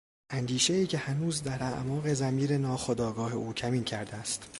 اندیشهای که هنوز در اعماق ضمیر ناخودآگاه او کمین کرده است